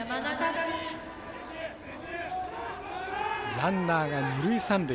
ランナーが二塁、三塁。